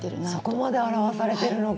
そこまで表されてるのか！